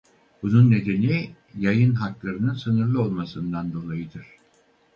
Bunun nedeni yayın haklarının sınırlı olmasından dolayıdır.